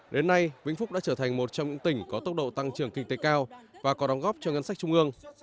đến nay vĩnh phúc đã trở thành một trong những tỉnh có tốc độ tăng trưởng kinh tế cao và có đóng góp cho ngân sách trung ương